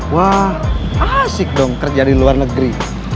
wah asik dong kerja di luar negeri